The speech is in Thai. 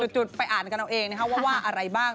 จุดไปอ่านกันเอาเองว่าอะไรบ้าง